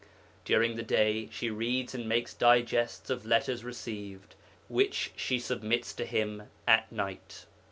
During the day she reads and makes digests of letters received, which she submits to him at night.'